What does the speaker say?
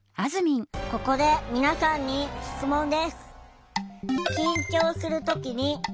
ここで皆さんに質問です。